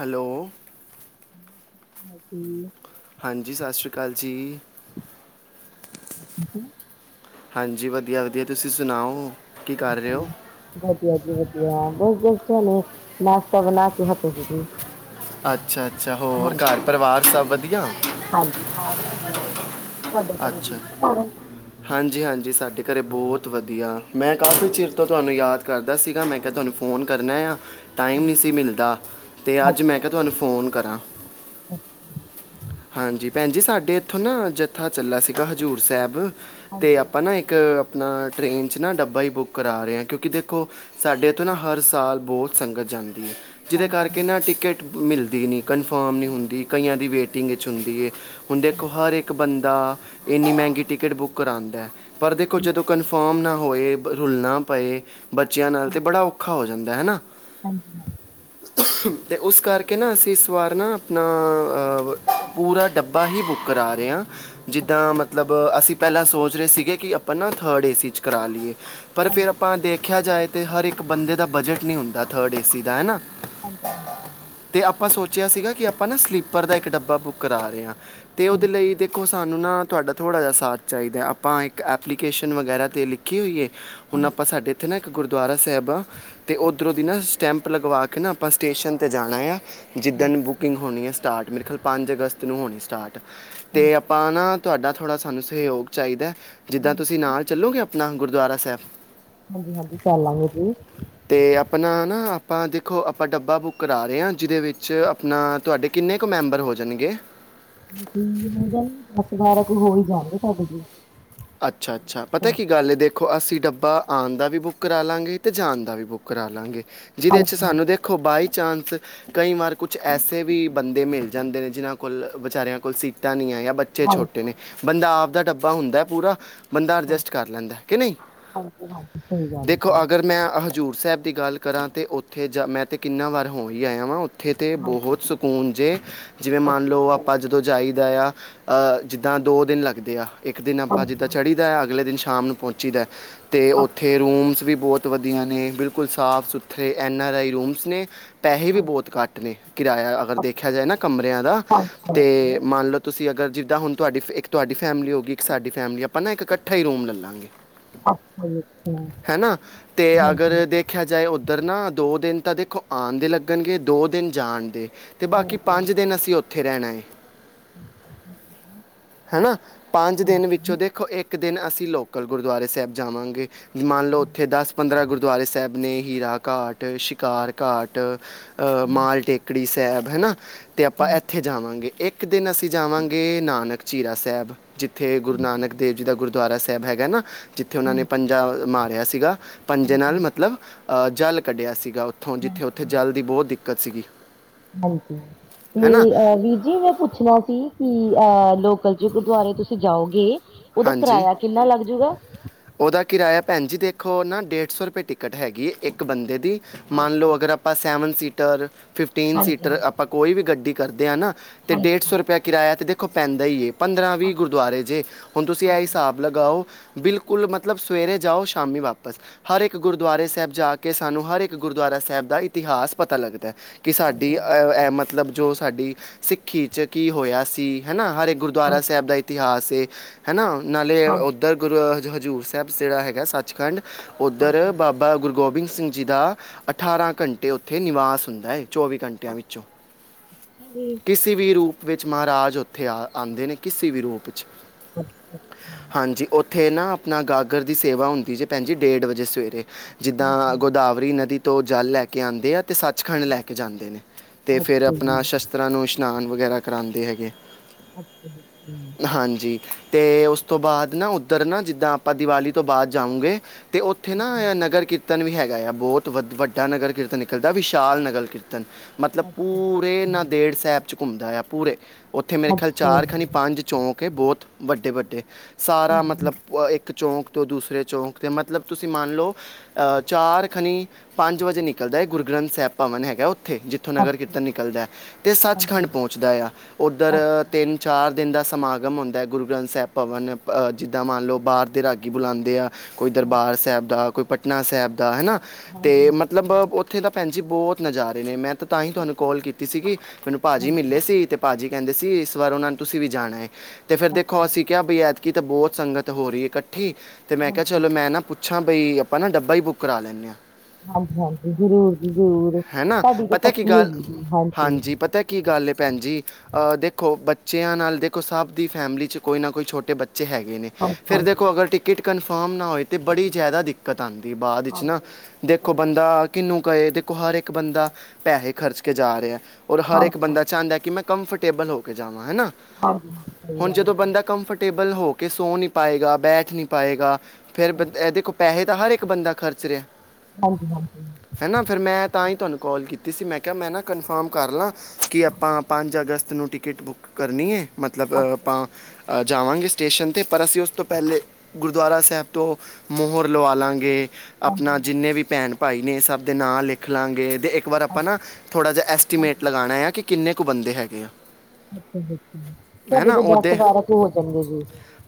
Hello ਹਾਂਜੀ ਹਾਂਜੀ, ਸਤਿ ਸ਼੍ਰੀ ਅਕਾਲ ਜੀ। ਠੀਕ ਹੈ। ਹਾਂਜੀ, ਵਧੀਆ-ਵਧੀਆ ਤੁਸੀਂ ਸੁਣਾਓ? ਕੀ ਕਰ ਰਹੇ ਹੋ ਹਾਂਜੀ। ਹਾਂਜੀ ਹਾਂਜੀ ਵਧੀਆ, ਬਸ‌ ਕੁਝ ਨੀ ਨਾਸ਼ਤਾ ਬਣਾ ਕੇ ਹਟੀ ਸੀ ਜੀ। ਅੱਛਾ, ਅੱਛਾ ਹੋਰ ਘਰ ਪਰਿਵਾਰ ਸਭ ਵਧੀਆ? ਹਾਂਜੀ, ਸਾਰੇ ਹੈਗੇ ਆ ਜੀ ਤੁਹਾਡੇ ਘਰੇ ਅੱਛਾ ਠੀਕ ਨੇ ਸਾਰੇ। ਹਾਂਜੀ, ਹਾਂਜੀ ਸਾਡੇ ਘਰੇ ਬਹੁਤ ਵਧੀਆ। ਮੈਂ ਕਾਫ਼ੀ ਚਿਰ ਤਾਂ ਤੁਹਾਨੂੰ ਯਾਦ ਕਰਦਾ ਸੀਗਾ। ਮੈਂ ਕਿਹਾ ਤੁਹਾਨੂੰ ਫੋਨ ਕਰਨਾ ਆ। ਟਾਈਮ ਨਹੀਂ ਸੀ ਮਿਲਦਾ ਅਤੇ ਅੱਜ ਮੈਂ ਅੱਛਾ ਕਿਹਾ ਤੁਹਾਨੂੰ ਫ਼ੋਨ ਕਰਾਂ। ਹਾਂਜੀ ਭੈਣ ਜੀ। ਸਾਡੇ ਇੱਥੋਂ ਨਾ ਜੱਥਾ ਚੱਲਾ ਸੀਗਾ ਹਜ਼ੂਰ ਸਾਹਿਬ ਅਤੇ ਹਾਂਜੀ ਆਪਾਂ ਨਾ ਇੱਕ। ਇੱਕ ਆਪਣਾ ਟ੍ਰਰੇਨ 'ਚ ਨਾ ਡੱਬਾ ਹੀ ਬੁੱਕ ਕਰਾ ਰਹੇ ਹਾਂ। ਕਿਉਂਕਿ ਦੇਖੋ ਸਾਡੇ ਏਥੋ ਨਾ ਹਰ ਸਾਲ ਬਹੁਤ ਸੰਗਤ ਜਾਂਦੀ ਹੈ ਜਿਹਦੇ ਕਰਕੇ ਹਾਂਜੀ ਨਾ ਟਿਕਟ ਮਿਲਦੀ ਨਹੀਂ। ਕਨਫਰਮ ਨਹੀਂ ਹੁੰਦੀ, ਕਈਆਂ ਦੀ ਵੇਟਿੰਗ ਵਿੱਚ ਹੁੰਦੀ ਏ। ਹੁਣ ਦੇਖੋ ਹਰ ਇੱਕ ਬੰਦਾ ਇੰਨੀ ਮਹਿੰਗੀ ਟਿਕਟ ਬੁੱਕ ਕਰਾਉਂਦਾ। ਪਰ ਦੇਖੋ ਜਦੋਂ ਠੀਕ ਹੈ। ਕਨਫ ਕਨਫਰਮ ਨਾ ਹੋਏ ਰੁਲਣਾ ਪਏ ਬੱਚਿਆਂ ਨਾਲ ਤਾਂ ਹਾਂਜੀ ਬੜਾ ਔਖਾ ਹੋ ਜਾਂਦਾ ਹੈ ਨਾ। ਹਾਂਜੀ ਹਾਂਜੀ ਹਾਂਜੀ ਹਾਂਜੀ ਹਾਂਜੀ ਤੇ ਉਸ ਕਰਕੇ ਨਾ ਅਸੀਂ ਇਸ ਵਾਰ ਨਾ ਆਪਣਾ। ਅਵ ਪੂਰਾ ਡੱਬਾ ਹੀ ਬੁੱਕ ਕਰਾ ਰਹੇ ਹਾਂ। ਜਿੱਦਾਂ ਮਤਲਬ ਅਸੀਂ ਪਹਿਲਾਂ ਸੋਚ ਰਹੇ ਸੀਗੇ ਕਿ ਆਪਾਂ ਨਾ ਥਰਡ ਏਸੀ ਚ ਕਰਾ ਲਈਏ। ਪਰ ਫਿਰ ਆਪਾਂ ਦੇਖਿਆ ਜਾਏ ਤਾਂ ਹਰ ਇੱਕ ਬੰਦੇ ਦਾ ਬਜਟ ਨਹੀਂ ਹੁੰਦਾ ਥਰਡ ਏ ਸੀ ਦਾ ਹੈ ਨਾ। ਹਾਂਜੀ। ਤੇ ਆਪਾਂ ਸੋਚਿਆ ਸੀਗਾ ਕਿ ਆਪਾਂ ਨਾ ਸਲੀਪਰ ਦਾ ਇੱਕ ਡੱਬਾ ਬੁੱਕ ਕਰਾ ਰਹੇ ਹਾਂ। ਤੇ ਉਹਦੇ ਲਈ ਦੇਖੋ। ਸਾਨੂੰ ਨਾ ਤੁਹਾਡਾ ਥੋੜ੍ਹਾ ਜਿਹਾ ਸਾਥ ਚਾਹੀਦਾ। ਆਪਾਂ ਇੱਕ ਐਪਲੀਕੇਸ਼ਨ ਵਗੈਰਾ ਤੇ ਲਿਖੀ ਹੋਈ ਏ। ਹੁਣ ਹਾਂਜੀ ਆਪਾਂ ਸਾਡੇ ਇੱਥੇ ਨਾ। ਇੱਕ ਗੁਰਦੁਆਰਾ ਸਾਹਿਬ ਆ ਤੇ ਓਧਰੋਂ ਦੀ ਨਾ ਸਟੈਂਪ ਲਗਵਾ ਕੇ ਨਾ ਆਪਾਂ ਸਟੇਸ਼ਨ ਤੇ ਜਾਣਾ ਆ। ਜਿੱਦਣ ਬੁਕਿੰਗ ਹੋਣੀ ਹੈ ਸਟਾਰਟ ਮੇਰਾ ਖਿਆਲ ਪੰਜ ਅਗਸਤ ਨੂੰ ਹੋਣੀ ਸਟਾਰਟ। ਤੇ ਆਪਾਂ ਨਾ ਤੁਹਾਡਾ ਥੋੜ੍ਹਾ ਸਾਨੂੰ ਸਹਿਯੋਗ ਚਾਹੀਦਾ। ਜਿੱਦਾਂ ਹਾਂਜੀ ਤੁਸੀਂ ਨਾਲ ਚੱਲੋਗੇ, ਆਪਣਾ ਗੁਰਦੁਆਰਾ ਸਾਹਿਬ? ਹਾਂਜੀ-ਹਾਂਜੀ, ਚਲ ਲਾਂਗੇ ਜੀ। ਅਤੇ ਆਪਣਾ ਨਾ ਆਪਾਂ ਦੇਖੋ, ਆਪਾਂ ਡੱਬਾ ਬੁੱਕ ਕਰਾ ਰਹੇ ਹਾਂ। ਜਿਹਦੇ ਵਿੱਚ ਆਪਣਾ ਤੁਹਾਡੇ ਕਿੰਨੇ ਕੁ ਕਿੰਨੇ ਕ ਮੈਂਬਰ ਹੋ ਜਾਣਗੇ? ਦੀ ਨਹੀਂ ਗੱਲ, ਦਸ ਬਾਰਾਂ ਕ ਹੋ ਹੀ ਜਾਣਗੇ ਸਾਡੇ ਜੀ। ਅੱਛਾ, ਅੱਛਾ ਪਤਾ ਕੀ ਹਾਂਜੀ ਗੱਲ ਹੈ ਦੇਖੋ। ਅਸੀਂ ਡੱਬਾ ਆਉਣ ਦਾ ਵੀ ਬੁੱਕ ਕਰਾ ਲਵਾਂਗੇ ਅਤੇ ਜਾਣ ਦਾ ਵੀ ਬੁੱਕ ਕਰਾ ਲਾਂਗੇ। ਜਿਹਦੇ 'ਚ ਹਾਂਜੀ ਸਾਨੂੰ ਹਾਂਜੀ ਦੇਖੋ ਬਾਈ ਚਾਂਸ ਕਈ ਵਾਰ ਕੁਛ ਐਸੇ ਵੀ ਬੰਦੇ ਮਿਲ ਜਾਂਦੇ ਨੇ, ਜਿਹਨਾਂ ਕੋਲ ਵਿਚਾਰਿਆਂ ਕੋਲ ਸੀਟਾਂ ਨਹੀਂ ਹੈ। ਬਟ ਬੱਚੇ ਹਾਂਜੀ ਛੋਟੇ ਨੇ, ਬੰਦਾ ਆਪ ਦਾ ਡੱਬਾ ਹੁੰਦਾ ਪੂਰਾ ਬੰਦਾ ਅਡਜਸਟ ਕਰ ਲੈਂਦਾ। ਕਿ ਨਹੀਂ ਹਾਂਜੀ ਹਾਂਜੀ ਸਹੀ ਗੱਲ ਹੈ ਦੇਖੋ ਜੀ। ਅਗਰ ਮੈਂ ਹਜ਼ੂਰ ਸਾਹਿਬ ਦੀ ਗੱਲ ਕਰਾਂ ਤੇ, ਉੱਥੇ ਜਾ ਮੈਂ ਤੇ ਕਿੰਨਾ ਵਾਰ ਹੋ ਹੀ ਆਇਆ ਵਾਂ। ਉੱਥੇ ਤੇ ਬਹੁਤ ਹਾਂਜੀ ਹੁਣ ਜੇ। ਜਿਵੇਂ ਮੰਨ ਲਓ, ਆਪਾਂ ਜਦੋਂ ਜਾਈਦਾ ਆ ਅਹ ਜਿੱਦਾਂ ਦੋ ਦਿਨ ਲੱਗਦੇ ਆ। ਇੱਕ ਦਿਨ ਆਪਾਂ ਜਿੱਦਾਂ ਚੜ੍ਹੀ ਦਾ ਅਗਲੇ ਦਿਨ ਸ਼ਾਮ ਨੂੰ ਪਹੁੰਚੀਦਾ ਅਤੇ ਉੱਥੇ ਰੂਮਸ ਵੀ ਬਹੁਤ ਬਹੁਤ ਵਧੀਆ ਨੇ, ਬਿਲਕੁਲ ਸਾਫ਼ ਸੁਥਰੇ ਐਨ ਆਰ ਆਈ ਰੂਮਸ ਨੇ ਪੈਸੇ ਵੀ ਬਹੁਤ ਘੱਟ ਨੇ, ਕਿਰਾਇਆ ਅਗਰ ਦੇਖਿਆ ਜਾਏ ਨਾ ਕਮਰਿਆਂ ਦਾ ਤੇ ਮੰਨ ਲਓ। ਤੁਸੀਂ ਅਗਰ ਜਿੱਦਾਂ ਹੁਣ ਤੁਹਾਡੀ-ਤੁਹਾਡੀ ਫੈਮਿਲੀ ਹੋ ਗੀ, ਇੱਕ ਸਾਡੀ ਫੈਮਿਲੀ ਆਪਾਂ ਨਾ ਇਕੱਠਾ ਹੀ ਰੂਮ ਲੈਲਾਗੇ। ਹਨਾ ਤੇ ਅਗਰ ਦੇਖ ਦੇਖਿਆ ਜਾਏ, ਉੱਧਰ ਨਾ ਦੋ ਦਿਨ ਤਾਂ ਦੇਖੋ ਆਉਣ ਦੇ ਲੱਗਣਗੇ, ਦੋ ਦਿਨ ਜਾਣ ਦੇ ਤੇ ਬਾਕੀ ਪੰਜ ਦਿਨ ਅਸੀਂ ਉੱਥੇ ਰਹਿਣਾ ਏ। [unintelligible] ਹਨਾ। ਪੰਜ ਦਿਨ ਵਿੱਚੋਂ ਦੇਖੋ, ਇੱਕ ਦਿਨ ਅਸੀਂ ਲੋਕਲ ਗੁਰਦੁਆਰੇ ਸਾਹਿਬ ਜਾਵਾਂਗੇ। ਮੰਨ ਲਓ ਉੱਥੇ ਦਸ ਪੰਦਰਾਂ ਗੁਰ ਗੁਰਦੁਆਰੇ ਸਾਹਿਬ ਨੇ ਹੀਰਾ ਘਾਟ, ਸ਼ਿਕਾਰ ਘਾਟ ਅਹ ਮਾਲ ਟੇਕੜੀ ਸਾਹਿਬ ਹਨਾ। ਤੇ ਆਪਾਂ ਇੱਥੇ ਜਾਵਾਂਗੇ ਇੱਕ ਦਿ ਦਿਨ ਅਸੀਂ ਜਾਵਾਂਗੇ ਨਾਨਕ ਝੀਰਾ ਸਾਹਿਬ। ਜਿੱਥੇ ਗੁਰੂ ਨਾਨਕ ਦੇਵ ਜੀ ਦਾ ਗੁਰਦੁਆਰਾ ਬ ਹੈਗਾ ਨਾ ਜਿੱਥੇ ਉਹਨਾਂ ਨੇ ਪੰਜ। ਜਾਂ ਮਾਰਿਆ ਸੀਗਾ ਪੰਜੇ ਨਾਲ ਮਤਲਬ ਜਲ ਕੱਢਿਆ ਸੀਗਾ ਉੇ। ਉਥੋਂ ਜਿੱਥੇ ਉੱਥੇ ਜਲ ਦੀ ਬਹੁਤ ਦਿੱਕਤ ਸੀਗੀ। ਹਾਂਜੀ ਤੇ ਹੈਨਾ ਅ ਵੀਰ ਜੀ ਮੈਂ ਪੁੱਛਣਾ। ਕਿ ਅਹ ਲੋਕਲ ਚ ਗੁਰਦੁਆਰੇ ਤੁਸੀਂ ਜਾਓਗੇ ਉਹਦਾ ਹਾਂਜੀ ਕਿਰਾਇਆ ਕਿੰਨਾ ਲੱਗ ਜੂਗਾ। ਉਹਦਾ ਕਿਰਾਇਆ ਭੈਣ ਜੀ ਦੇਖੋ ਨਾ ਡੇਢ ਸੌ ਰੁਪਏ ਟਿਕਟ ਹੈਗੀ ਹੈ ਇੱਕ ਬੰਦੇ ਦੀ ਮੰਨ ਅੱਛਾ ਲਓ ਜੀ, ਅਗਰ ਆਪ। ਆਪਾਂ ਸੈਵਨ ਸੀਟਰ ਫਿਫਟੀਨ ਹਾਂਜੀ ਸੀਟਰ ਹਾਂਜੀ ਆਪਾਂ ਕੋਈ ਵੀ ਗੱਡੀ ਕਰਦੇ ਹਾਂ ਨਾ ਅਤੇ ਹਾਂਜੀ ਡੇਢ ਸੌ ਹਾਂਜੀ ਰੁਪਇਆ। ਕਿਰਾਇਆ ਤੇ ਦੇਖੋ ਪੈਂਦਾ ਹੀ ਏ ਪੰਦਰਾਂ ਅੱਛਾ, ਵੀਹ ਗੁਰਦੁਆਰੇ ਜੇ ਹੁਣ ਤੁਸੀਂ ਇਹ ਹਾਂਜੀ ਹਾਂਜੀ ਹਿਸਾਬ। ਲਗਾਓ। ਬਿਲਕੁਲ ਮਤਲਬ ਸਵੇਰੇ ਜਾਓ ਸ਼ਾਮੀ ਵਾਪਸ ਹਰ ਇੱਕ ਗੁਰਦੁਆਰੇ ਸਾਹਿਬ ਜਾ ਕੇ ਸਾਨੂੰ। ਹਰ ਇੱਕ ਗੁਰਦੁਆਰਾ ਸਾਹਿਬ ਦਾ ਇਤਿਹਾਸ ਪਤਾ ਲੱਗਦਾ। ਕਿ ਹਾਂਜੀ ਹਾਂਜੀ ਹਾਂਜੀ ਸਾਡੀ ਐ ਮਤਲਬ, ਜੋ ਸਾਡੀ ਸਿੱਖੀ 'ਚ ਕੀ ਹੋਇਆ ਸੀ ਹੈ ਨਾ। ਹਰੇ ਹਾਂਜੀ ਹਾਂਜੀ ਗੁਰਦੁਆਰਾ ਹਾਂਜੀ, ਸਾਹਿਬ ਦਾ ਇਤਿਹਾਸ ਏ ਹਨਾ। ਨਾਲੇ ਅੱਛਾ ਉੱਧਰ ਗੁਰ ਹਜ਼ੂਰ ਪ੍ਰਭ ਸੇਵਾ ਹੈਗਾ ਸੱਚਖੰਡ, ਉੱਧਰ ਬਾਬਾ ਗੁਰੂ ਗੋਬਿੰਦ ਸਿੰਘ ਜੀ ਦਾ ਅਠਾਰਾਂ ਘੰਟੇ ਉੱਥੇ ਨਿਵਾਸ ਹੁੰਦਾ ਏ। ਚੌਵੀ ਘੰਟਿਆਂ ਵਿੱਚੋਂ ਹੈਲੋ। ਕਿਸੇ ਵੀ ਰੂਪ ਵਿੱਚ ਮਹਾਰਾਜ ਉੱਥੇ ਆ ਆਉਂਦੇ ਨੇ, ਕਿਸੇ ਵੀ ਰੂਪ ਵਿੱਚ [inaudible] ਹਾਂਜੀ। ਉੱਥੇ ਨਾ ਆਪਣਾ ਗਾਗਰ ਦੀ ਸੇਵਾ ਹੁੰਦੀ ਜੀ, ਭੈਣ ਜੀ ਡੇਢ ਵਜੇ ਸਵੇਰੇ ਹਾਂਜੀ ਜਿੱਦਾਂ ਹਾਂਜੀ ਗੋਦਾਵਰੀ ਨਦੀ ਤੋਂ ਜਲ ਲੈ ਕੇ ਆਉਂਦੇ ਆ। ਤੇ ਸੱਚਖੰਡ ਲੈ ਕੇ ਜਾਂਦੇ ਨੇ, ਤੇ ਫਿਰ ਅੱਛਾ ਜੀ, ਆਪਣਾ ਸ਼ਸਤਰਾਂ ਨੂੰ ਇਸ਼ਨਾਨ ਵਗੈਰਾ ਕਰਾਉਂਦੇ ਹੈਗੇ। ਅੱਛਾ -ਅੱਛਾ ਜੀ। ਹਾਂਜੀ। ਤੇ ਉਸ ਤੋਂ ਬਾਅਦ ਨਾ ਉੱਧਰ ਨਾ ਜਿੱਦਾਂ, ਆਪਾਂ ਦੀਵਾਲੀ ਤੋਂ ਬਾਅਦ ਜਾਊਗੇ। ਤੇ ਉੱਥੇ ਨਾ ਹਾਂਜੀ, ਨਗਰ ਕੀ ਕੀਰ ਕੀਰਤਨ ਵੀ ਹੈਗਾ ਆ ਬਹੁਤ ਵ ਵੱਡਾ ਨਗਰ ਕੀਰਤਨ ਨਿਕਲਦਾ ਵਿਸ਼ਾਲ ਨਗਰ ਕੀਰਤਨ ਮਤਲਬ ਅੱਛਾ ਜੀ, ਪੂਰੇ ਨਾਾਂਦੇੜ ਸਾਹਿਬ 'ਚ ਘੁੰਮਦਾ ਆ ਪੂਰੇ ਉੱਥੇ ਮੇਰੇ ਖਿਆਲ ਅੱਛਾ ਚਾਰ ਖ ਨਹੀਂ ਜੀ, ਪੰਜ। ਚੌਂਕ ਬਹੁਤ ਵੱਡੇ -ਵੱਡੇ ਸਾਰਾ ਹਾਂਜੀ ਜੀ, ਮਤਲਬ ਇੱਕ। ਚੌਂਕ ਤੋਂ ਦੂਸਰੇ ਚੌਂਕ 'ਤੇ ਮਤਲਬ ਤੁਸੀਂ ਮੰਨ ਲਓ। ਅਹ ਚਾਰ ਖਨੀ ਪੰਜ ਵਜੇ ਨਿਕਲਦਾ ਹੈ ਗੁਰੂ ਗ੍ਰੰਥ ਸਾਹਿਬ ਭਵਨ ਹੈਗਾ ਉੱਥੇ ਜਿੱਥੇ। ੋਂ ਨਗਰ ਅੱਛਾ ਕਿਰ ਜੀ, ਨਿਕਲਦਾ ਤੇ ਸੱਚਖੰਡ ਹਾਂਜੀ, ਪਹੁੰਚ। ਆ ਉੱਧਰ ਅੱਛਾ ਜੀ, ਤਿੰਨ ਚਾਰ ਦਿਨ ਦਾ ਸਮਾਗਮ ਹੁੰਦਾ ਗੁਰ। ੁਰੂ ਗ੍ਰੰਥ ਸਾਹਿਬ ਭਵਨ ਜਿੱਦਾਂ ਮੰਨ ਲਓ ਬਾਹਰ ਦੇ ਰਾਗੀ ਬੁਲਾਉਂਦੇ ਆ ਕੋਈ ਹਾਂਜੀ, ਦਰਬਾਰ ਸਾਹਿਬ ਦਾ। ਕੋਈ ਪਟਨਾ ਸਾਹਿਬ ਦਾ ਹਨਾ ਤੇ ਹਾਂਜੀ, ਹਾਂਜੀ, ਹਾਂਜੀ, ਮਤਲਬ। ਉੱਥੇ ਤਾਂ ਭੈਣ ਜੀ ਬਹੁਤ ਨਜ਼ਾਰੇ ਨੇ ਮੈਂ ਤਾਂ ਤਾਂ ਹੀ ਤੁਹਾਨੂੰ ਕਾਲ ਕੀਤੀ ਸੀਗੀ ਮੈਨੂੰ ਭਾਜੀ ਅੱਛਾ ਮਿਲੇ ਜੀ, ਸੀ ਤੇ ਭਾਜੀ ਕਹਿੰਦੇ ਸੀ ਇਸ ਵਾਰ ਉਹਨਾਂ ਨੂੰ ਤੁਸੀਂ ਵੀ ਜਾਣਾ ਹੈ ਤੇ ਫਿਰ ਦੇਖੋ ਹਾਂਜੀ, ਅਸੀਂ ਕਿਹਾ ਬੀ ਐਤਕੀ ਤਾਂ ਬਹੁਤ ਸੰਗਤ ਹੋ ਰਹੀ ਇਕੱਠੀ ਤੇ ਮੈਂ ਕਿਹਾ ਚਲੋ ਹਾਂਜੀ, ਮੈਂ ਨਾ ਪੁੱਛ ਅੱਛਾ ਬਈ ਆਪਾਂ ਨਾ ਡੱਬਾ ਹੀ ਬੁੱਕ ਕਰਾ ਲੈਂਦੇ ਹਾਂ ਹਾਂਜੀ ਹਾਂਜੀ ਜ਼ਰੂਰ ਜੀ ਜ਼ਰੂਰ ਹੈ ਨਾ ਤੁਹਾਡੀ ਤਾਂ ਪਤਾ ਕੀ ਪੱਕੀ ਗੱਲ ਹੈਗੀ ਜੀ ਹਾਂਜੀ ਕੀ ਗੱਲ ਭੈਣ ਜੀ ਦੇਖੋ ਬੱਚਿਆਂ ਨਾਲ ਦੇਖੋ ਸਭ ਦੀ ਫੈਮਿਲੀ 'ਚ ਕੋਈ ਨਾ ਕੋਈ ਛੋਟੇ ਬੱਚੇ ਹੈਗੇ ਨੇ ਹਾਂਜੀ, ਫਿਰ ਹਾਂਜੀ, ਦੇਖੋ ਅਗਰ ਟਿਕਟ ਕਨਫਰਮ ਨਾ ਹੋਏ ਤਾਂ ਬੜੀ ਜ਼ਿਆਦਾ ਦਿੱਕਤ ਦਿੱਕਤ ਆਉਂਦੀ ਬਾਅਦ ਵਿੱਚ ਨਾ ਹਾਂਜੀ। ਦੇਖੋ ਸਹੀ ਗੱਲ ਹੈ, ਬੰਦਾ ਕਿੰਨੂੰ ਕਹੇ ਦੇਖੋ ਹਰ ਇੱਕ ਬੰਦਾ ਪੈਸੇ ਖਰਚ ਕੇ ਜਾ ਰਿਹਾ ਔਰ ਹਰ ਇੱਕ ਹਾਂਜੀ, ਬੰਦਾ ਹਾਂਜੀ, ਚਾਹੁੰਦਾ ਕਿ ਮੈਂ ਕੰਫਰਟੇਬਲ ਹੋ ਕੇ ਜਾਵਾਂ ਹੈ ਨਾ ਹਾਂਜੀ ਹਾਂ ਸਹੀ ਹੁਣ ਗੱਲ ਹੈ ਜਦੋਂ ਜੀ। ਬੰਦਾ ਕੰਫਰਟੇਬਲ ਹੋ ਕੇ ਸੋ ਨੀ ਪਾਏਗਾ ਬੈਠ ਨੀ ਪਾਏਗਾ ਫੇਰ ਇਹ ਦੇਖੋ ਪੈਸੇ ਤਾਂ ਹਰ ਇੱਕ ਇੱਕ ਬੰਦਾ ਖਰਚ ਰਿਹਾ ਹਾਂਜੀ ਹਾਂਜੀ ਹੈ ਨਾ ਫਿਰ ਮੈਂ ਤਾਂ ਹੀ ਅੱਛਾ ਜੀ, ਤੁਹਾਨੂੰ ਕੋਲ ਕੀਤੀ ਸੀ ਮੈਂ ਕਿਹਾ ਮੈਂ ਨਾ ਕਨਫਰਮ ਕਰ ਲਾਂ ਕੀ ਆਪਾਂ ਪੰਜ ਅਗਸਤ ਨੂੰ ਟਿਕਟ ਬੁੱਕ ਕਰਨੀ ਹੈ ਮਤਲਬ ਅੱਛਾ, ਹਾਂਜੀ, ਆਪਾਂ ਜਾਵਾਂਗੇ ਸਟੇਸ਼ਨ ਤੇ ਪਰ ਅਸੀਂ ਉਸ ਤੋਂ ਪਹਿਲੇ ਗੁਰਦੁਆਰਾ ਸਾਹਿਬ ਤੋਂ ਮੋਹਰ ਲਵਾ ਲਾਂਗੇ ਅੱਛਾ, ਆਪਣਾ ਹਾਂਜੀ। ਜਿੰਨੇ ਵੀ ਭੈਣ ਭਾਈ ਨੇ ਸਭ ਦੇ ਨਾਂ ਲਿਖ ਲਾਂਗੇ ਅਤੇ ਇੱਕ ਵਾਰ ਆਪਾਂ ਨਾ ਥੋੜ੍ਹਾ ਜਿਹਾ, ਐਸਟੀਮੇਟ ਲਗਾਉਣਾ ਆ, ਕਿ ਕਿੰਨੇ ਕੁ ਬੰਦੇ ਹੈਗੇ ਆ। ਹੈ ਤੁਹਾਡੇ ਨਾ ਤਾਂ ਦਸ ਉਹਦੇ ਬਾਰਾਂ ਕੁ ਹੋ ਜਾਂਣਗੇ ਜੀ,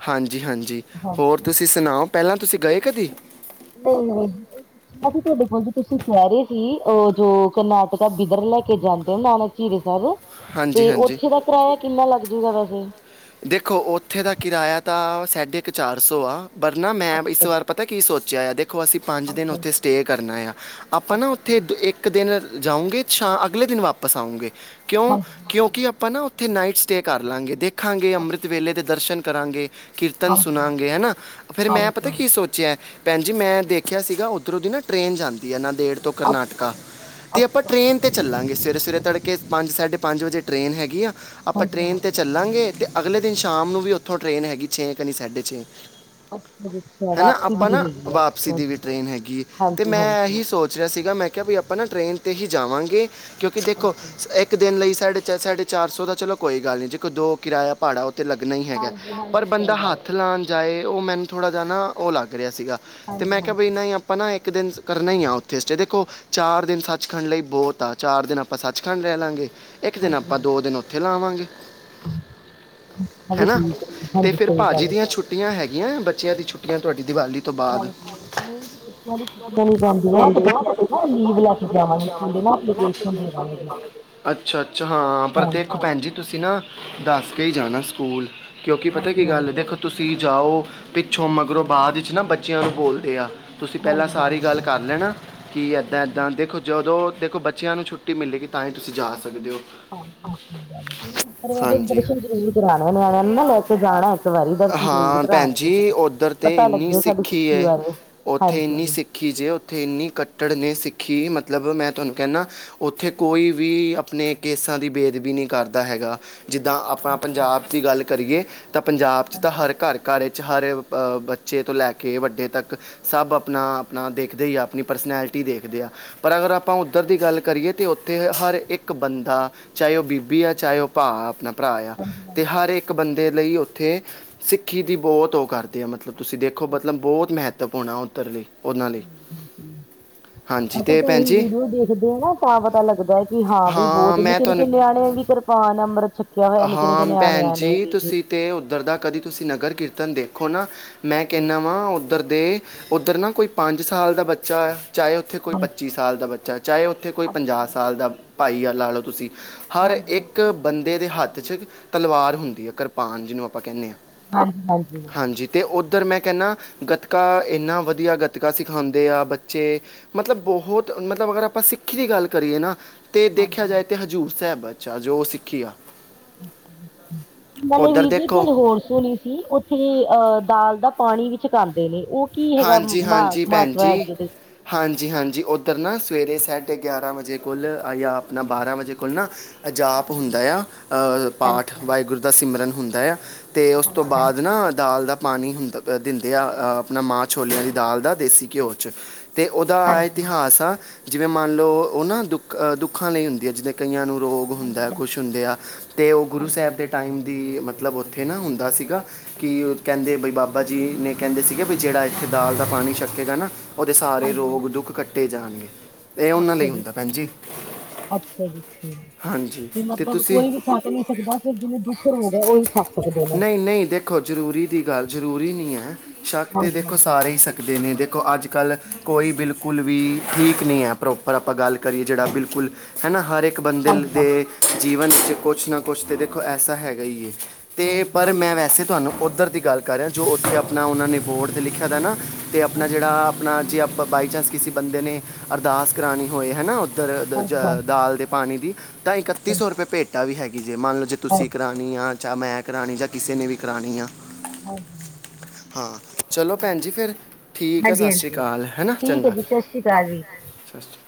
ਹਾਂਜੀ ਹਾਂਜੀ ਹੋਰ ਹਾਂਜੀ ਤੁਸੀਂ ਸੁਣਾਓ ਪਹਿਲਾਂ ਤੁਸੀਂ ਗਏ ਕਦੀ। ਨਹੀਂ ਨਹੀਂ ਅਸੀਂ ਤੁਹਾਡੇ ਪੰਜ ਤੁਸੀਂ ਕਹਿ ਰਹੇ ਸੀ, ਜੋ ਕਰਨਾਟਕਾ ਬਿਦਰ ਲੈ ਕੇ ਜਾਂਦੇ ਨਾਨਕ ਧੀਰੇ ਸਾਹਿਬ ਹਾਂਜੀ ਤੇ ਹਾਂਜੀ ਉਥੇ ਦਾ ਕਰਾਇਆ ਕਿੰਨਾ ਲੱਗ ਜਾਊਗਾ ਵੈਸੇ ਦੇਖੋ ਉੱਥੇ ਦਾ ਕਿਰਾਇਆ ਤਾਂ ਸਾਢੇ ਕੁ ਚਾਰ ਸੌ ਆ, ਪਰ ਨਾ ਮੈਂ ਇਸ ਅੱਛਾ ਜੀ ਵਾਰ ਪਤਾ ਪਤਾਂ ਕੀ ਸੋਚਿਆ ਆ ਦੇਖੋ, ਅਸੀਂ ਪੰਜ ਹਾਂਜੀ ਦਿਨ ਹਾਂਜੀ ਉੱਥੇ ਸਟੇਅ ਕਰਨਾ ਆ ਆਪਾਂ ਨਾ ਅੱਛਾ ਉੱਥੇ ਜੀ ਦ ਇੱਕ ਇੱਕ ਦਿਨ ਜਾਊਂਗੇ ਸ਼ਾ ਅਗਲੇ ਦਿਨ ਵਾਪਸ ਆਊਂਗੇ ਕਿਉਂ ਹਾਂਜੀ ਹਾਂਜੀ ਕਿਉਂਕਿ ਆਪਾਂ ਨਾ ਉੱਥੇ ਨਾਈਟ ਸਟੇਅ ਕਰ ਲਵਾਂਗੇ ਦੇਖਾਂਗੇ ਅੱਛਾ ਅੰਮ੍ਰਿਤ ਜੀ, ਵੇਲੇ ਦੇ ਦਰਸ਼ਨ ਕਰਾਂਗੇ ਕੀਰਤਨ ਹਾਂਜੀ ਸੁਣਾਗੇ ਹਾਂਜੀ ਹਨਾ ਫੇਰ ਮੈਂ ਹਾਂਜੀ ਪਤਾ ਕੀ ਹਾਂਜੀ ਸੋਚ ਭੈਣ ਜੀ ਮੈਂ ਦੇਖਿਆ ਸੀਗਾ ਉੱਧਰੋਂ ਦੀ ਨਾ ਟ੍ਰਰੇਨ ਜਾਂਦੀ ਹੈ ਨਾਂਦੇੜ ਤੋਂ ਕਰਨਾਟਕਾ ਅੱਛਾ ਜੀ ਤੇ ਆਪਾਂ ਅੱਛਾ ਜੀ ਟਰੇਨ ਤੇ ਚੱਲਾਂਗੇ ਸਵੇਰੇ-ਸਵੇਰੇ ਤੜਕੇ ਪੰਜ ਸਾਢੇ ਪੰਜ ਵਜੇ ਟਰੇਨ ਹੈਗੀ ਆ ਆਪਾਂ ਹਾਂਜੀ ਟਰੇਨ ਤੇ ਹਾਂਜੀ ਚਲਾਂਗੇ, ਤੇ ਅਗਲੇ ਦਿਨ ਸ਼ਾਮ ਨੂੰ ਵੀ ਓੱਥੋਂ ਟਰੇਨ ਹੈਗੀ ਛੇ ਕੁ ਨਈ ਸਾਢੇ ਛੇ ਅੱਛਾ ਜੀ ਅੱਛਾ ਹਨਾ ਵਾਪਸੀ ਆਪਾਂ ਵੀ ਨਾ ਹੈਗੀ ਹੈ ਵਾਪਸੀ ਅੱਛਾ ਦੀ ਵੀ ਜੀ ਟ੍ਰੇਨ ਹੈਗੀ ਹੈ ਤੇ ਹਾਂਜੀ ਮੈਂ ਹਾਂਜੀ ਇਹੀ ਸੋਚ ਜਿਹਾ ਸੀਗਾ ਮੈਂ ਕਿਹਾ ਵੀ ਆਪਾਂ ਨਾ ਟ੍ਰਰੇਨ 'ਤੇ ਹੀ ਜਾਵਾਂਗੇ ਕਿਉਂਕਿ ਦੇਖੋ ਅੱਛਾ ਜੀ, ਇੱਕ ਦਿਨ ਲਈ ਸਾਡੇ ਸਾਢੇ ਚਾਰ ਸੌ ਦਾ ਚਲੋ ਕੋਈ ਗੱਲ ਨਹੀਂ ਦੇਖੋ ਦੋ ਕਿਰਾਇਆ ਪਾੜਾ ਉਤੇ ਲੱਗਣਾ ਹੀ ਹੈਗਾ ਹਾਂਜੀ ਪਰ ਹਾਂਜੀ ਸਹੀ ਬੰਦਾ ਗੱਲ ਹੈ ਹੱਥ ਲਾਉਣ ਜਾਏ ਉਹ ਮੈਨੂੰ ਥੋੜਾ ਜਾ ਨਾ ਉਹ ਲੱਗ ਰਿਹਾ ਸੀਗਾ ਤੇ ਹਾਂਜੀ ਮੈਂ ਕਿਹਾ ਬਇ ਹਾਂਜੀ ਆਪ ਆਪਨਾ ਇੱਕ ਦਿਨ ਕਰਨਾ ਹੀ ਆ ਉੱਥੇ ਸ ਦੇਖੋ ਚਾਰ ਦਿਨ ਸੱਚਖੰਡ ਲਈ ਬਹੁਤ ਆ ਚਾਰ ਦਿਨ ਆਪਾਂ ਸੱਚਖੰਡ ਰਹਿ ਲਵਾਂਗੇ ਇੱਕ ਦਿਨ ਹਾਂਜੀ ਆਪਾਂ ਦੋ ਹਾਂਜੀ ਦਿਨ ਉੱਥੇ ਲਾਵਾਂਗੇ ਉਹ ਵੀ ਹਨਾ ਠੀਕ ਹੈ ਜੀ, ਤੇ ਹਾਂਜੀ ਫੇਰ ਸਹੀ ਗੱਲ ਭਾਜੀ ਹੈ ਦੀਆਂ ਜੀ ਛੁੱਟੀਆਂ ਹੈਗੀਆਂ ਬੱਚਿਆਂ ਦੀ ਛੁੱਟੀਆਂ ਤੁਹਾਡੀ ਦੀਵਾਲੀ ਤੋਂ ਬਾਅਦ ਹਾਂਜੀ ਨਹੀਂ ਜੀ ਬੱਚਿਆਂ ਦੀ ਛੁੱਟੀਆਂ ਨੀ ਪੈਂਦੀਆਂ ਤੇ ਬੱਚਿਆਂ ਦੇ ਨਾ ਲੀਵ ਲੈ ਕੇ ਜਾਵਾਂਗੇ ਸਕੂਲੇ ਨਾ ਐਪਲੀਕੇਸ਼ਨ ਦੇਵਾਂਗੇ ਜੀ ਅੱਛਾ ਅੱਛਾ, ਹਾਂ ਪਰ ਹਾਂਜੀ ਦੇਖ ਹਾਂ ਭੈਣ ਜੀ ਤੁਸੀਂ ਨਾ ਦੱਸ ਕੇ ਹੀ ਜਾਣਾ ਸਕੂਲ, ਕਿਉਂਕਿ ਪਤਾ ਹਾਂਜੀ ਕੀ ਗੱਲ ਦੇਖੋ ਹਾਂਜੀ ਤੁਸੀਂ ਜਾਓ, ਪਿੱਛੋਂ ਮਗਰੋਂ ਬਾਅਦ ਵਿੱਚ ਨਾ ਬੱਚਿਆਂ ਨੂੰ ਬੋਲਦੇ ਆ ਤੁਸੀਂ ਪਹਿਲਾਂ ਹਾਂਜੀ ਸਾਰੀ ਗੱਲ ਹਾਂਜੀ ਕਰ ਲੈਣਾ, ਕਿ ਇੱਦਾਂ ਇੱਦਾਂ ਹਾਂਜੀ ਦੇਖੋ ਜਦੋਂ ਦੇਖੋ ਬੱਚਿਆਂ ਨੂੰ ਛੁੱਟੀ ਮਿਲੇਗੀ, ਤਾਂ ਹੀ ਤੁਸੀਂ ਜਾ ਸਕਦੇ ਹੋ। ਹਾਂਜੀ, ਸਹੀ ਗੱਲ ਹੈ। ਅਰੇ ਇਹਦੇ ਹਾਂਜੀ ਦਰਸ਼ਨ ਜ਼ਰੂਰ ਕਰਾਣੇ ਨਿਆਣਿਆਂ ਨੂੰ ਨਾ ਲੈ ਕੇ ਜਾਣਾ, ਇੱਕ ਵਾਰੀ ਦਰਸ਼ਨ ਜ਼ਰੂਰ ਹਾਂ ਭੈਣ ਕਰਾਣੇ ਜੀ ਉਧਰ ਤੇ ਪਤਾ ਇੰਨੀ ਲੱਗੇ ਸਾਡੀ ਸਿੱਖੀ ਹੈ ਬਾਰੇ। ਉੱਥੇ ਇੰਨੀ ਹਾਂਜੀ ਸਿੱਖੀ ਜੇ ਉੱਥੇ ਇੰਨੀ ਕੱਟੜ ਨੇ ਸਿੱਖੀ ਮਤਲਬ ਮੈਂ ਤੁਹਾਨੂੰ ਕਹਿੰਦਾ। ਉੱਥੇ ਕੋਈ ਵੀ ਆਪਣੇ ਕੇਸਾਂ ਦੀ ਬੇਦਬੀ ਨਹੀਂ ਕਰਦਾ ਹੈਗਾ। ਜਿੱਦਾਂ ਆਪਾਂ ਪੰਜਾਬ ਦੀ ਗੱਲ ਕਰੀਏ, ਤਾਂ ਪੰਜਾਬ 'ਚ ਤਾਂ ਹਰ ਘਰ-ਘਰ ਹਰ, ਬੱਚੇ ਤੋਂ ਲੈਕੇ ਵੱਡੇ ਤੱਕ ਸਭ ਅਪਨਾ-ਅਪਨਾ ਦੇਖਦੇ ਈ ਆ, ਅਪਨੀ ਪਰਸਨੈਲਟੀ ਦੇਖਦੇ ਆ। ਪਰ, ਅਗਰ ਆਪਾਂ ਉੱਧਰ ਦੀ ਗੱਲ ਕਰੀਏ ਤਾਂ ਉੱਥੇ ਹਰ ਇੱਕ ਬੰਦਾ ਚਾਹੇ ਉਹ ਬੀਬੀ ਆ, ਚਾਹੇ ਉਹ ਭਾ ਆਪਨਾ ਭਰਾ ਯਾਂ, ਤੇ ਹਰ ਇੱਕ ਬੰਦੇ ਲਈ ਉੱਥੇ ਸਿੱਖੀ ਦੀ ਬਹੁਤ ਉਹ ਕਰਦੇ ਆ, ਮਤਲਬ ਤੁਸੀਂ ਦੇਖੋਂ ਮਤਲਬ ਬਹੁਤ ਮਹੈਤਵਪੂਰਣ ਹੋਣਾ ਉੱਧਰ ਲਈ। ਹੂੰ ਹਾਂ ਆਪਾ ਤਾ ਓਹੀ ਵੀਡੀਓ ਦੇਖਦੇ ਹਾਂ ਨਾ ਤਾਂ ਪਤਾ ਲੱਗਦਾ, ਕਿ ਹਾਂ ਵੀ ਬਹੁਤ ਮੈਂ ਨਿੱਕੇ-ਨਿੱਕੇ ਤੁਹਾਨੂੰ ਨਿਆਣੇ ਵੀ ਕ ਕਿਰਪਾਨ, ਅੰਮ੍ਰਿਤ ਛਕਿਆ ਹੋਇਆ ਨਿੱਕੇ-ਨਿੱਕੇ ਹਾਂ ਭੈਣ ਨਿਆਣਿਆਂ ਨੇ, ਵੀ ਜੀ। ਤੁਸੀਂ ਤੇ ਉੱਧਰ ਦਾ ਕਦੀ ਤੁਸੀਂ ਨਗਰ-ਕੀਰਤਨ ਦੇਖੋਂ ਨਾ, ਮੈਂ ਹਾਂਜੀ, ਕਹਿੰਨਾ ਵਾਂ ਉੱਧਰ ਦੇ, ਉੱਧਰ ਨਾ ਕੋਈ ਪੰਜ-ਸਾਲ ਦਾ ਬੱਚਾ ਯਾ, ਚਾਹੇ ਉੱਥੇ ਕੋਈ ਪੱਚੀ ਸਾਲ ਹਾਂਜੀ-ਹਾਂਜੀ, ਦਾ ਬੱਚਾ, ਚਾਹੇ ਉੱਥੇ ਕੋਈ ਪੰਜਾਹ ਅੱਛਾ ਜੀ, ਸਾਲ ਦਾ ਭਾਈ ਆ ਲਾ ਲਓ ਤੁਸੀ ਹਰ ਇੱਕ ਹਾਂਜੀ-ਹਾਂਜੀ, ਬੰਦੇ ਦੇ ਹੱਥ ਵਿੱਚ ਤਲਵਾਰ ਹੁੰਦੀ ਆ, ਕਰਪਾਨ ਜਿਹਨੂੰ ਆਪਾਂ ਕਹਿੰਦੇ ਹਾਂ। ਹਾਂਜੀ-ਹਾਂਜੀ। ਹਾਂਜੀ, ਤੇ ਉੱਧਰ ਮੈਂ ਕਹਿੰਨਾ ਗੱਤਕਾ, ਇੰਨਾ ਵਧੀਆ ਗੱਤਕਾ ਸਿਖਾਂਦੇ ਆ ਬੱਚੇ ਮਤਲਬ ਬਹੁਤ, ਮਤਲਬ ਅਗਰ ਆਪਾ ਸਿੱਖੀ ਦੀ ਗੱਲ ਕਰੀਏ ਨਾ ਤੇ ਦੇਖਿਆ ਜਾਏ ਹਾਂਜੀ-ਹਾਂਜੀ। ਤਾ‌ ਹਜ਼ੂਰ ਸਾਹਿਬ'ਚ ਆ, ਜੋ ਸਿੱਖੀ ਆ। ਨਾਲੇ ਉਧਰ ਵੀਰਜੀ, ਇਕ ਦੇਖੋ ਗੱਲ ਹੋਰ ਸੁਣੀ ਸੀ ਓ ਉੱਥੇ ਅਹ ਦਾਲ ਦਾ ਪਾਣੀ ਵੀ ਛਕਾਂਦੇ ਨੇ, ਉਹ ਕੀ ਹੈਗਾ ਮ, ਮਹਤਵਵਾ ਹੈਗੇ ਉਹਦੇ। ਹਾਂਜੀ-ਹਾਂਜੀ, ਉੱਧਰ ਨਾ ਸਵੇਰੇ ਸਾਢੇ ਗਿਆਰਾਂ ਵਜੇ ਕੋਲ ਤਾਂ, ਅਪਣਾ ਬਾਰਾਂ ਵਜੇ ਕੋਲ ਨਾ ਅਜਾਪ ਹੁੰਦਾ ਹਾਂਜੀ-ਹਾਂਜੀ, ਯਾ, ਅਹ ਪਾਠ, ਹਾਂਜੀ-ਹਾਂਜੀ, ਵਾਹਿਗੁਰੂ ਦਾ ਸਿਮਰਨ ਹੁੰਦਾ ਯਾ। ਤੇ ਉਸ ਤੋਂ ਹਾਂਜੀ, ਬਾਅਦ ਨਾ ਦਾਲ ਦਾ ਪਾਣੀ ਹੁੰਦਾ ਦਿੰਦੇ ਆ, ਅ ਆਪਣਾ ਮਾਂ ਛੋਲਿਆਂ ਦੀ ਦਾਲ ਦਾ, ਦੇਸੀ ਘਿਓ'ਚ ਤੇ ਉਹਦਾ ਹਾਂਜੀ-ਹਾਂਜੀ, ਇਤਿਹਾਸ ਆ ਜਿਵੇਂ ਮੰਨ ਲਓ, ਉਹ ਨਾ ਦੁੱਖਾਂ ਲਈ ਹੁੰਦੀ ਆ, ਜਿਦਾਂ ਕਈਆਂ ਨੂੰ ਰੋਗ ਹੁੰਦਾ ਕੁਛ ਹੁੰਦੇ ਆ, ਤੇ ਉਹ ਗੁਰੂ ਹਾਂਜੀ, ਸਾਹਿਬ ਦੇ ਟਾਈਮ ਦੀ, ਮਤਲਬ ਉੱਥੇ ਨਾ ਹੁੰਦਾ ਸੀਗਾ ਕਿ ਉਹ ਕਹਿੰਦੇ, ਬਈ ਬਾਬਾ ਜੀ ਨੇ ਕਹਿੰਦੇ ਸੀਗੇ ਵੀ ਜਿਹੜਾ ਇੱਥੇ ਦਾਲ ਦਾ ਪਾਣੀ ਛਕੇੇਗਾ ਨਾ, ਉਹਦੇ ਸਾਰੇ ਰੋਗ, ਹਾਂਜੀ-ਹਾਂਜੀ, ਦੁੱਖ ਕੱਟੇ ਜਾਣਗੇ। ਏ ਉਹਨਾਂ ਅੱਛਾ ਲਈ ਜੀ ਹੁੰਦਾ, ਅੱਛਾ, ਭੈਣਜੀ। ਅੱਛਾ ਜੀ, ਅੱਛਾ। ਹਾਂਜੀ ਬੀ, ਤੇ ਮਤਲਬ ਤੁਸੀਂ ਕੋਈ ਵੀ ਛੱਕ ਨਹੀਂ ਸਕਦਾ, ਸਿਰਫ ਜਿਨੁੰ ਦੁੱਖ, ਰੋਗ ਹੈ, ਓਹੀ ਛੱਕ ਸਕਦੇ ਨੇ। ਨਹੀਂ-ਨਹੀਂ ਦੇਖੋ ਜ਼ਰੂਰੀ ਦੀ ਗੱਲ, ਜ਼ਰੂਰੀ ਨਹੀਂ ਹੈ, ਛਕ ਤੇ ਦੇ ਹਾਂਜੀ-ਹਾਂਜੀ। ਸਾਰੇ ਈ ਸਕਦੇ ਨੇ, ਦੇਖੋ ਅੱਜ-ਕੱਲ, ਕੋਈ ਬਿਲਕੁਲ ਵੀ ਠੀਕ ਨਹੀਂ ਹੈ ਪ੍ਰੋ ਪਰ ਆਪਾਂ ਗੱਲ ਕਰੀਏ, ਜਿਹੜਾ ਬਿਲਕੁਲ ਹੈਨਾ, ਹਰ ਇੱਕ ਬੰਦੇ ਹਾਂਜੀ-ਹਾਂਜੀ, ਦੇ ਜੀਵਨ ਵਿੱਚ ਕੁਛ ਨਾ ਕੁਛ ਤਾ ਦੇਖੋ, ਐਸਾ ਹੈਗਾ ਈ ਏ। ਤੇ ਪਰ ਹਾਂਜੀ-ਹਾਂਜੀ, ਮੈਂ ਵੈਸੇ ਤੁਹਾਨੂੰ ਉੱਧਰ ਦੀ ਗੱਲ ਕਰ ਰਿਹਾ, ਜੋ ਉੱਥੇ ਆਪਣਾ ਉਹਨਾਂ ਨੇ ਬੋਰਡ 'ਤੇ ਲਿਖਿਆਦਾ ਨਾ ਤੇ ਆਪਣਾ ਜਿਹੜਾ, ਆਪਣਾ ਜੇ ਆਪਾਂ ਬਾਈਚਾਂਸ ਕਿਸੇ ਬੰਦੇ ਨੇ ਅਰਦਾਸ ਕਰਾਣੀ ਹੋਏ ਹੈਨਾ ਹਾਂਜੀ-ਹਾਂਜੀ, ਦਾਲ ਦੇ ਪਾਣੀ ਦੀ, ਤਾਂ ਇਕੱਤੀ-ਸੋ ਰੁਪਏ ਭੇਟਾਂ ਵੀ ਹੈਗੀ ਜੇ, ਮੰਨ ਲਓ ਜੇ ਤੁਸੀਂ ਕਰਾ ਆ, ਚਾ ਮੈਂ ਕਰਾਣੀ, ਜਾਂ ਕਿਸੇ ਨੇ ਵੀ ਕਰਾਣੀ ਆ, ਹਾਂਜੀ-ਹਾਂਜੀ। ਹਾਂ। ਚਲੋ ਭੈਣ ਜੀ ਫਿਰ, ਠੀਕ ਹੈ, ਸਤਿ ਸ਼੍ਰੀ ਹਾਂਜੀ-ਹਾਂਜੀ ਅਕਾਲ। ਹੈਨਾ, ਠੀਕ ਹੈ ਚੰਗਾ। ਜੀ ਸਤਿ ਸ਼੍ਰੀ ਅਕਾਲ ਜੀ। ਸ਼੍ਰੀ ਅਕਾਲ